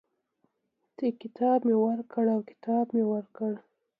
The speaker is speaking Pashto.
کتاب مي ورکړ او کتاب مې ورکړ.